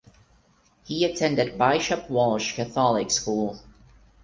He attended Bishop Walsh Catholic School.